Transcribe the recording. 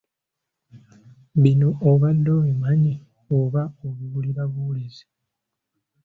Bino obadde obimanyi oba obiwulira buwulizi?